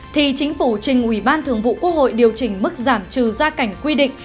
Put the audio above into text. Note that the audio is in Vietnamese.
thì chính phủ trình ủy ban thường vụ quốc hội điều chỉnh mức giảm trừ gia cảnh quy định